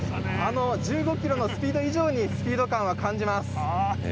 １５キロのスピード以上にスピード感は感じます。